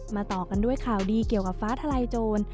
ต่อกันด้วยข่าวดีเกี่ยวกับฟ้าทลายโจร